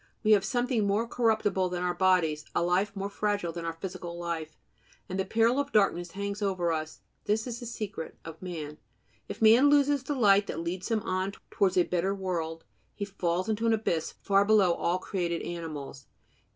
We have something more corruptible than our bodies, a life more fragile than our physical life; and the peril of darkness hangs over us. This is the secret of man. If man loses the light that leads him on towards a better world, he falls into an abyss far below all created animals.